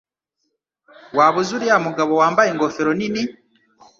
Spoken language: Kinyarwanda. Waba uzi uriya mugabo wambaye ingofero nini?